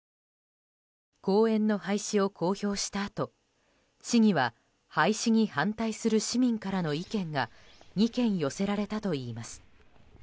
公園の廃止を公表したあと市には廃止に反対する市民からの意見が２件寄せられたといいます。